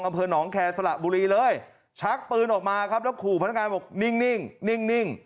อำเภอหนองแคร์สละบุรีเลยชักปืนออกมาครับแล้วขู่พนักงานบอกนิ่งนิ่ง